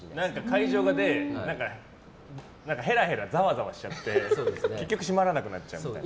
会場でヘラヘラザワザワしちゃって結局締まらなくなっちゃうみたいな。